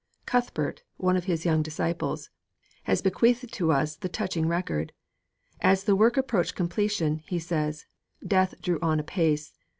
Cuthbert, one of his young disciples, has bequeathed to us the touching record. As the work approached completion, he says, death drew on apace.